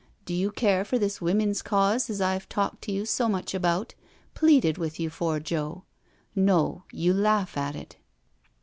Do you care for this Women's Cause as I've talked to you so mucli about, pleaded with you for, Joe? No, you laugh at it."